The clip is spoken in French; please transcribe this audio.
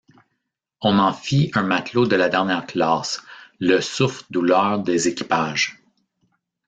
On en fit un matelot de la dernière classe, le souffre-douleur des équipages.